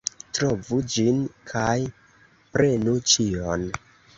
Trovu ĝin kaj prenu ĉion!